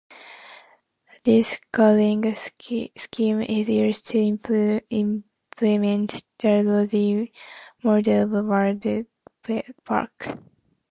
This coding scheme is used to implement the "lossy" mode of WavPack.